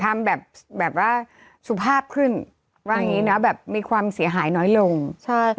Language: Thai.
ทำแบบแบบว่าสุภาพขึ้นว่าอย่างงี้เนอะแบบมีความเสียหายน้อยลงใช่